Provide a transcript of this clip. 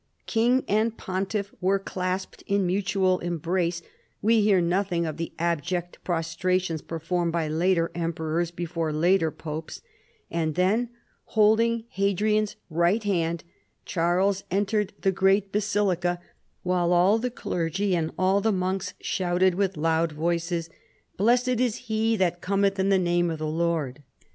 King and pontiff were clasped in mutual embrace (we hear nothing of the abject prostrations performed by later emperors before later popes), and then holding Hadrian's right hand Charles entered the great basilica, while all the clergy and all the monks shouted with loud voices, " Blessed is he that cometh in the name of the Lord."